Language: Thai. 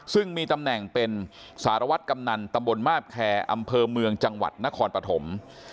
ซึ่งมีตำแหน่งเป็นสารวัตรกำนันตำบลมาบแคร์อำเภอเมืองจังหวัดนครปฐม